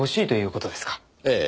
ええ。